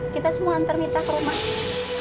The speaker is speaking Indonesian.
kita semua antar minta ke rumah